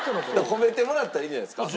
褒めてもらったらいいんじゃないですか？